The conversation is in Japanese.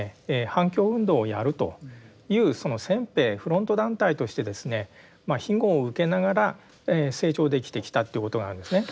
反共運動をやるという先兵フロント団体としてですね庇護を受けながら成長できてきたってことなんですね。